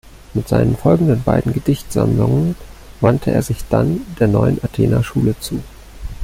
Mit seinen folgenden beiden Gedichtsammlungen wandte er sich dann der Neuen Athener Schule zu.